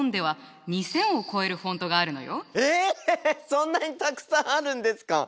そんなにたくさんあるんですか！？